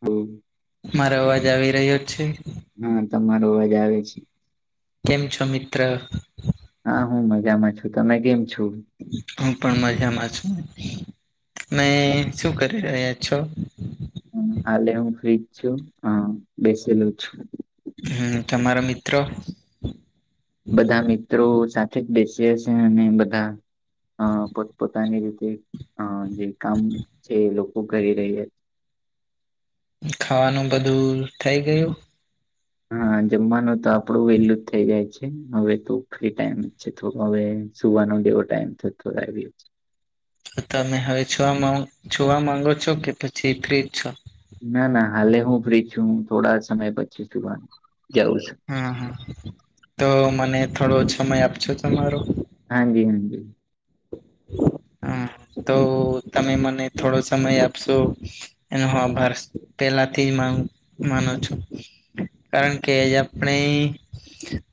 બોલ? મારો અવાજ આવી રહ્યો છે? હા તમારો અવાજ આવે છે કેમ છો મિત્ર? હા હું મજામાં છું. તમે કેમ છો? હું પણ મજામાં છું. તમે શું કરી રહ્યા છો? હમ હાલે હું ફ્રીજ છુ. હ બેસી લું છું. હમ તમારો મિત્ર? બધા મિત્રો સાથે જ બેસી હશે અને બધા અ પોતપોતાની રીતે અ જે કામ છે એ લોકો કરી રહ્યા ખાવાનું બધું થઇ ગયું? હા જમવાનું તો આપડું વેલું જ થઈ જાય છે. હવે તો ફ્રી ટાઈમ જ છે. થોડો હવે સુવાનો ડેવો ટાઈમ થતો આવીએ. તો તમે હવે જોવા જોવા માંગો છો કે પછી ફ્રી જ છો. ના ના હાલ એ હું ફ્રી છું, હું થોડા સમય પછી સુવાનું જાઉં છું. હા હા તો મને થોડો સમય આપશો તમારો? હાંજી હાજી અ તો તમે મને થોડો સમય આપશો? એનો આભાસ પહેલાથી માનો માનો છો. કારણ કે આપણે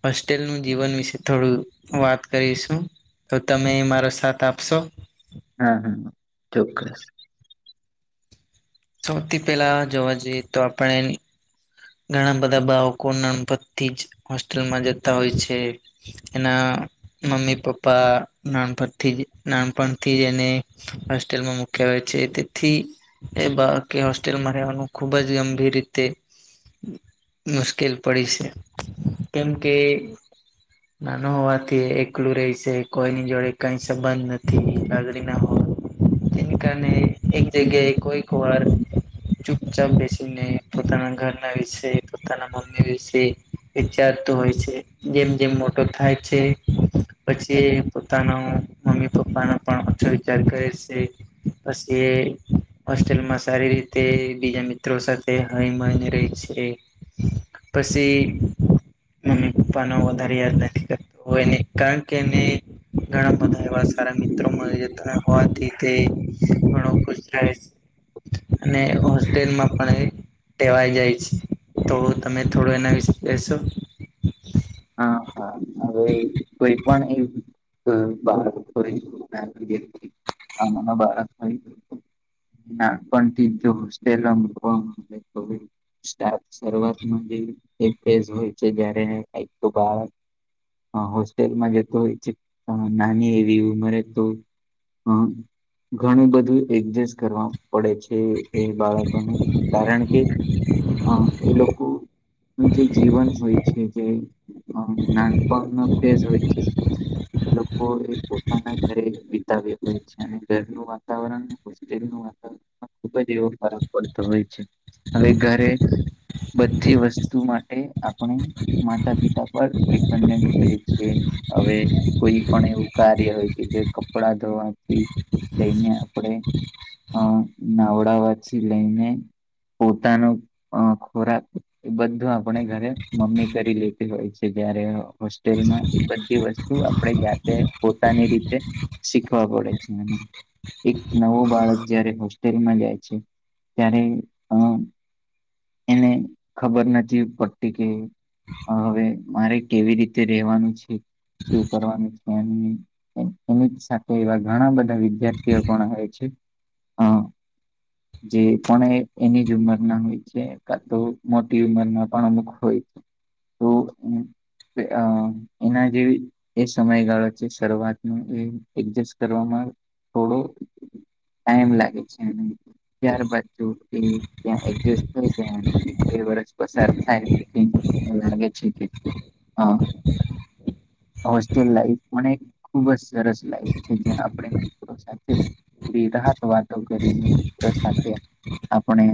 હોસ્ટેલ નું જીવન વિશે થોડું વાત કરીશું તો તમે એમાં પ્ર સાથ આપશો હમ હમ ચોક્કસ સૌથી પહેલા જોવા જઈએ તો આપણે એને ઘણા બધા બાળકો નાનપણ થીજ હોસ્ટેલમાં જતા હોય છે. એના મમ્મી પપ્પા નાનપણ થીજ નાનપણ થીજ એને હોસ્ટેલમાં મૂક્યા હોઈ છે તેથી એ બા કી હોસ્ટેલમાં રહેવાનું ખુબ જ ગંભીર રીતે મુશ્કેલ પડી છે કેમ કે? નાનું હોવાથી એકલું રહીશે, કોઈની જોડે કઈ સંબંધ નથી, લાગણી ના હો. જેને કારણે એક જગ્યા કોઈકવાર ચૂપચાપ બેસીને પોતાના ઘરના વિશે, પોતાના મમ્મી વિશે વિચાર તો હોય છે. જેમ જેમ મોટો થાય છે. પછી પોતાનો મમ્મી પપ્પાનો પણ અછો વિચાર કરે છે પછી એ હોસ્ટેલમાં સારી રીતે બીજા મિત્રો સાથે હળી મળી ને રે છે. પછી? મમ્મી પપ્પા ન વધારે યાદ નથી કરતો એને કારણ કે એને ઘણા બધા એવા સારા મિત્રો મળી જતા હોવાથી તે ઘણો ખુશ રહે છે. અને હોસ્ટેલમાં પણ એ ટેવાઈ જાય છે તો તમે થોડું એના વિશે કેશો હા હા હવે કોઈ પણ એ [unintelligible] ના પણ કીધું [unintelligible] સ્ટાર્ટ શરૂઆતમાં એક ફેસ હોય છે જયારે અહીં તો બાર અ હોસ્ટેલમાં જતો હોય છે નાની એવી ઉમરે તો અમ ઘણું બધું એડજસ્ટ કરવા પડે છે એ બાળકોને કારણ કે અ એ લોકો નું જે જીવન હોય છે જે હમ નાનપણનો ક્રેઝ હોય છે એ લોકો એ પોતાના ઘરે વિતાવયો હોય છે અને ઘરનું વાતાવરણ એની વાતો નો ખુબ જ એવો ફરક પડતો હોય છે હવે ઘરે બધી વસ્તુ માટે આપણે માતા પિતા પર ડીપેંડનટ હોય છે હવે કોઈ પણ એવું કાર્ય હોય કે જે કપડાં ધોવાથી લઈને આપણેે અ નવડાવા થી લઈને પોતાનું અ ખોરાક બધું આપણે ઘરે મમ્મી કરી લે હોય છે જ્યારે હોસ્ટેલમાં એ બધી વસ્તુ આપણે જાતે પોતાની રીતે શીખવા પડે છે એને એક નવો બાળક જયારે હોસ્ટેલમાં જાય છે ત્યારે અ એને ખબર નથી પડતી કે હવે મારે કેવી રીતે રેવાનું છે શું કરવાનું છે એમ ની એની સાથે એવા ઘણા બધા વિદ્યાર્થીઓ પણ આવે છે અ [inaudible] જે પણ એની જ ઉંમર ના હોય છે કા તો મોટી ઉમર ના પણ અમુક હોય તો અ એના જેવી એ સમયગાળો છે શરૂઆતનો એ એડજસ્ટ કરવામાં થોડો ટાઈમ લાગે છેને ત્યારબદ તો તે ત્યા એડજેસ્ટ થઈ એક બે વરસ પસાર એમ લાગે છે કે હા હોસ્ટેલ લાઈફ પણ એક ખુબ જ સરસ લાઈફ છે જ્યાં આપણે સાથે બી રાહત વાતો કરી ને તો સાથે આપણે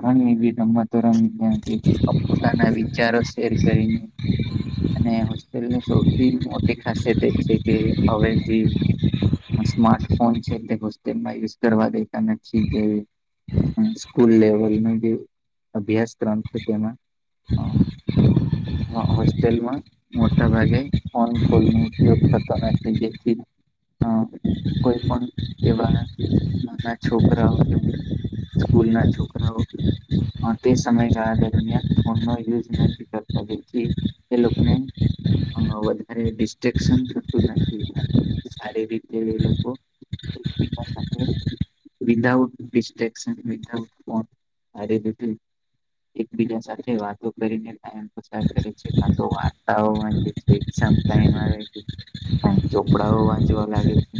ઘણી એવી રમતો રમી પણ કંઈક પોતાના વિચારો શેર કરીને અને હોસ્ટેલની સૌથી મોટી ખાસિયત એ છે કે હવે જે સ્માર્ટફોન છે તે હોસ્ટેલ માં યુઝ કરવા દેતા નથી જે સ્કૂલ લેવલ નો જે અભ્યાસક્રમ છે તેમાં [inaudible] હો હો હોસ્ટેલમાં મોટા ભાગે ફોન કોલની ઉપયોગ થતો નથી જેથી એ અ કોઈ પણ એવા નાના છોકરાઓ કે સ્કૂલ ના છોકરાઓ તે સમયગાળા દરમિયાન ફોન નો યુઝ નથી કરતા જેથી એ લોકને અ વધારે ડિસ્ટેક્શન થતું નથી અને સારી રીતે એ લોકો એકબીજા સાથે વિધાઉટ ડિસ્ટેક્સન વિધાઉટ ફોન. [unintelligible] એક બીજ સાથે વાતો. કરીને ટાઇમ પસાર કર છે કાતો વાર્તા ઓ વાંચે છે સમટાઇમ આવે. કાર ચોપડાઓ વાંચવા લાગે છે.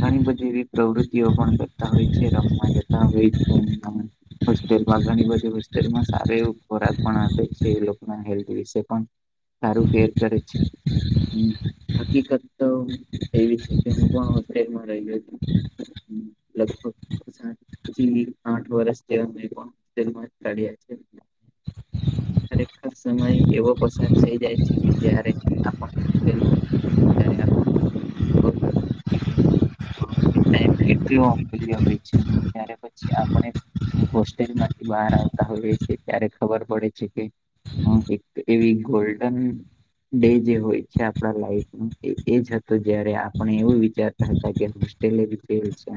ઘણી બધી એવી પ્રવૃત્તિઓ પણ કરતા હોય છે રમવા જતા હોય છે. હોસ્ટેલમાં ઘણી બધી હોસ્ટેલમાં સારુ એવું ખોરાક. પણ આપે છે એ લોકોના હેલ્થ વિશે પણ સારું કેર કરે છે. હકીકત તો એવી છે, કે હું પણ હોેલમાં રહ્યો છે. લગભગ પછી આઠ વર્ષથી અમેલમા ખરેખર સમય એવો પસાર થઈ જાય છે, કે જારે આપણ જયારે આપણ કામ કરે મ કેટલી અ હોય છે ત્યારે પછી આપણે. હું હોસ્ટેલ માંથી બહાર આવતા હોઈએ છએ ત્યારે ખબર પડે છે. હ એક એવી ગોલ્ડન ડે જે હોય છે આપણા લાઈફ એજ હત જયારે આપણે એવું વિચારતા તે હોસ્ટેલે બીતે છે.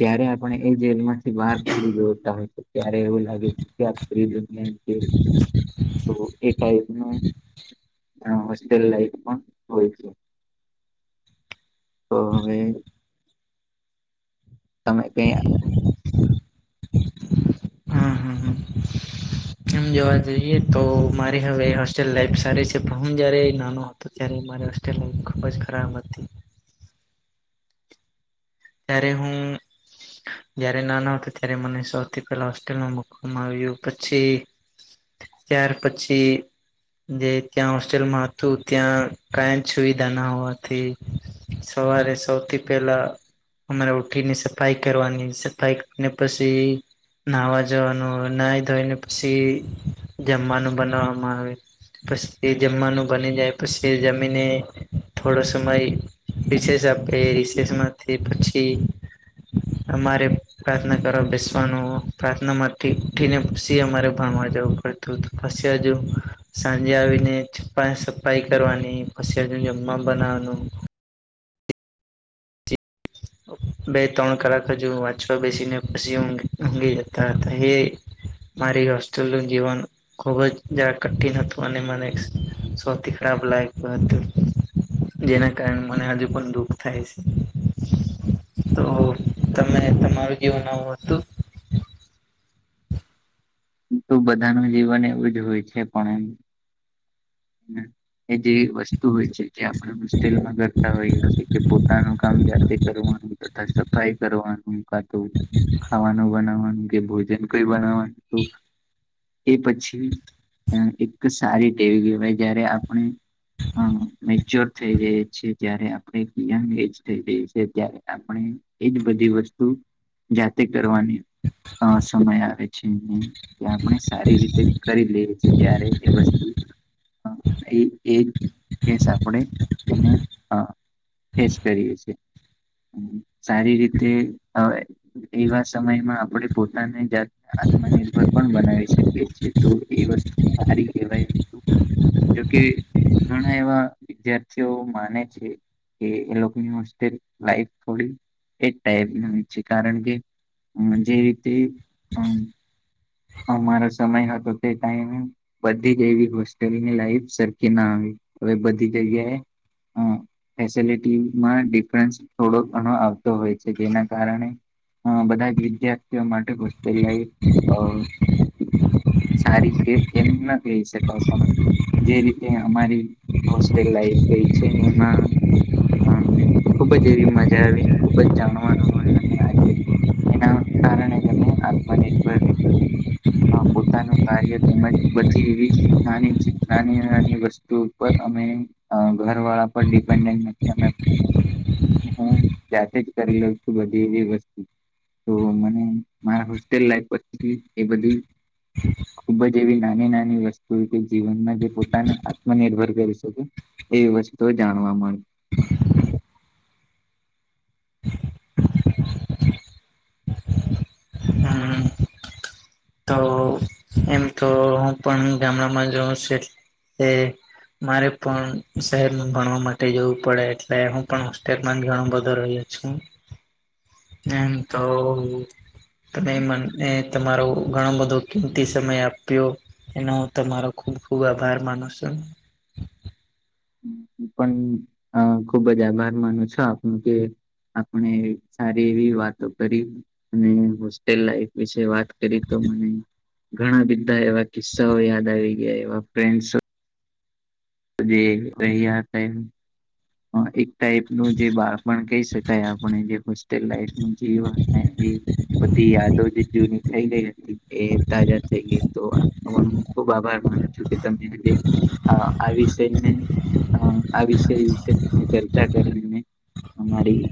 ત્યારે આપણે એ જેલમાંથી બહાર પ જોતા હોય તો, ત્યારે એવું લાગે ત્રીને. તો એ એકને. હ હોસ્ટેલ લાઈફ પણ હોય છે. તો હવે તમે કઈ આપો હમ હમ હમ. એમ જોવા જઈએ તો મારી હવે હોસ્ટેલ લાઈફ સારી છે, પણ હું જયારે નાનો તો ત્યારે મારે હસ્ટ્રેલ લઇફ ખૂબ જ ખરાબ હતી. ત્યારે હું જયારે નાના હતા ત્યારે મને સૌથી પહેલા, હોસ્ટેલમાં મકવામાં આવ્યું પછી ત્યાર પછી જે ત્યાં હોસ્ટેલમાં હતું ત્યાં કયા જ સુવિધા ના હોવાથી. સવારે સૌથી પહેલા અમારે ઉઠીની સફાઈ કરવાની સફાઈ ને પછી નાહવા જવાનું ના ધોય ને પછી જમવાનું બનાવામાં આવે. પછી એ જમવાનું બની જાય પછી, એ જમીને થોડો સમય રિસે આપે રિસેમાંથી પછી અમારે પ્રાર્થના કરવા બેસવાનું પ્રાર્થના માંથી, ઉઠી ને સી અમારે ભણવા જવું તો ફસજ સાંજે આવીને છપા સફાાઈ કરવાની પછી જમા બનાવવાનું બે ત્રણ કલાક હજુું વાંચવા બેસીને પછી, ઊંઘ ઊંઘી જતા હતા એ મારી વસ્તલ જીવાન ખુબ જ જરાક કઠિન હતું અને મને સૌથી ખરાબ લાગ્યું હતું. જેના કારણે મને હજુ પણ દુઃખ થાય છે. તો તમે તમારું કેવું નાવું હતું. તો બધાનું જીવન એવું જ હોય છે, પણ હમ. એ જે વસ્તુ હોય છે, જે આપણે હોસ્ટલમાં કરતા હોઈએ છીએ કે પોતાનું કામ કરવાનું તથા સફાઈ કરવાનું કા તોું ખાવાનું બનાવાનું કે ભોજન કઈ બનાવાનું એ પછી, એક સારી ટેવી કહેવાય જયારે આપણે હ મેચ્યોર થઈ જાય છે, જયારે આપણે યંગ એજ થઈ જઈ છે ત્યારે આપણે એજ બધી વસ્તુ જાતે કરવાની સમય આવે છે. ત્યા આપણે સારી રીતે કરી લઈએ છે, ત્યારે એ વસ્તુ હા, એ એ કેસ આપણેે એને હ ફેસ કરીએ છે, સારી રીતે આવે એવા સમયમાં આપણેે પોતાને જાત આત્મનિર્ભર પણ બનાવી શકે છિએ તો એ વસ્તુ સારી કહેવાય. જોકે ઘણા એવા વિદ્યાર્થીઓ માને છે. કે એ લોકોની હસ્તે લાઈફ થોડી એ ટાઈપ છે કારણ કે. હ જે રીતે હ. અમારો સમય હતો તે ટાઈમ. બધી જ એવી હોસ્ટેલની લાઈફ સરખી ના આવી હવે બધી જગ્યાએ. [inaudible] [inaudible] ફેસલિટીમાં ડિફરન્સ થોડોક ઘણો આવતો હોય છે જેના કારણે. અ બધા જ વિદ્યાર્થીઓ માટે હોસ્ટેલ લાઈફ અ. [inaudible] [inaudible] સારી કે એમના ક છે કળપના. જે રીતે અમારી હોસ્ટેલ લાઈફ ગઈ છે એમાં. હ ખુબજ એવી મજા આવી ખુબજ જાણવાનું મળ્યું આજે. એના કારણે એને આત્મનર્ભર લી છે. પોતાનું કાર્ય તેમજ બધી એવી નાની નાની નાની વસ્તુ ઉપર અમે. અ ઘર વાળા પર ડિપેન્ડન્ટ નથી અમે. હું ત્યાથી જ કરી લઉ છું બધી એવી વસ્તુ. તો મને મારા હોસ્ટેલ લાઈફ પછી એ બધી. ખુબ જ એવી નાની નાની વસ્તુ કે જીવનમાં જે પોતાને આત્મનિર્ભર કરી શકે. એવી વસ્તુ જાણવા મા. હમ તો એમ તો હું પણ ગામડામાં જોઉં છ એ. મારે પણ શહેર ભણવા માટે જવું પડે એટલે હું પણ હોસ્ટેલ આમાં ઘણા બધા રહીએ છીએ. એમ તો. તમે છે મને તમારો ઘણો બધો કિંમતી સમય આપ્યો. એનો હું તમારો ખુબ ખુબ આભાર માનું છું. હ પણ અ ખુબ જ આભાર માનું છો આપનો કે. આપણે સારી એવી વાતો કરી અને હોસ્ટેલ લાઈફ વિશે વાત. કરી તો મને ઘણા બધા એવા કિસ્સાઓ યાદ આવી ગયા એવા ફ્રેન્ડ્સ જે રહી આત. હા એક. ટાઈપનું જે બાળપણ કહી શકાય આપણે જે હોસ્ટેલ લાઈફ નુ જીવન એ. બધી આદો જ જૂની. થઈ ગઈ હતી એ તાજા થઈ ગઈ તો હ હું ખુબ આભાર માનું છું કે તમને. હ આ વિષયને હ આ વિષય વિશે. તમે ચર્ચા કરીને અમારી.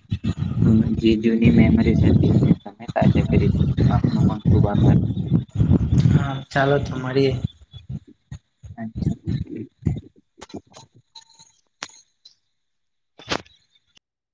જે જૂની મેમરીઝ હતી એને તમે તાજા કરી દી. આપનો પણ ખૂબ આભાર. હા ચાલો તો મળીએે. અચછા જ. [unintelligible]